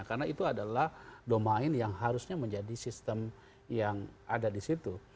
karena itu adalah domain yang harusnya menjadi sistem yang ada di situ